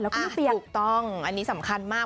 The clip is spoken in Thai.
อ่าถูกต้องอันนี้สำคัญมาก